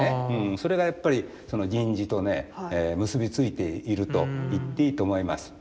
それがやっぱり銀地とね結び付いているといっていいと思います。